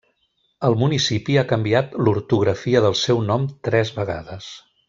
El municipi ha canviat l'ortografia del seu nom tres vegades.